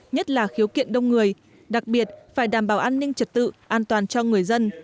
nhất là khiếu kiện đông người đặc biệt phải đảm bảo an ninh trật tự an toàn cho người dân